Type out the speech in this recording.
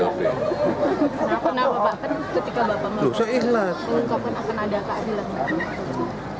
kenapa bapak ketika bapak mengungkapkan akan ada keadilan